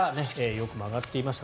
よく曲がっていました。